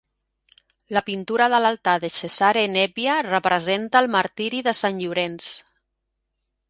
La pintura de l'altar de Cesare Nebbia representa el martiri de Sant Llorenç.